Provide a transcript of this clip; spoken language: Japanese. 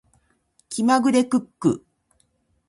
気まぐれクック